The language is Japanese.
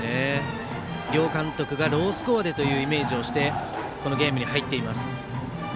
両監督がロースコアでというイメージをしてこのゲームに入っています。